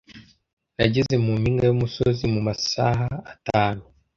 Nageze mu mpinga y'umusozi mu masaha atanu.